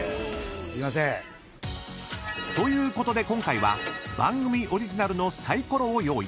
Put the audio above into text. ［ということで今回は番組オリジナルのサイコロを用意］